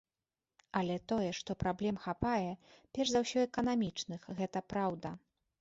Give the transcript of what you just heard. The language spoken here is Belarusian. Але тое, што праблем хапае, перш за ўсё эканамічных, гэта праўда.